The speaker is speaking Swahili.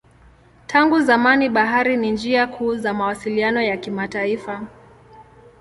Tangu zamani bahari ni njia kuu za mawasiliano ya kimataifa.